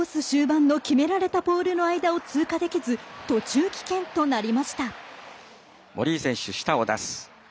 終盤の決められたポールの間を通過できず途中棄権となりました。